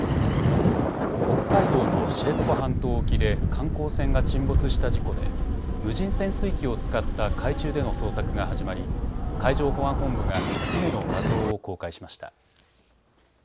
北海道の知床半島沖で観光船が沈没した事故で無人潜水機を使った海中での捜索が始まり海上保安本部が船の画像を公開しました。